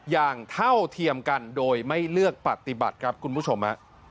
เท่าเทียมกันโดยไม่เลือกปฏิบัติครับคุณผู้ชม